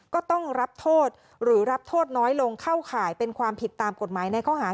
ก็ต้องรับโทษหรือรับโทษน้อยลงเข้าข่ายเป็นความผิดตามกฎหมายในข้อหา